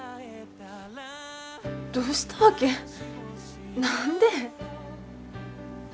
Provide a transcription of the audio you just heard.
どうしたわけ？何で？